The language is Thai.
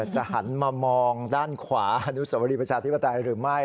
จะหันมามองด้านขวาอนุสวรีประชาธิปไตยหรือไม่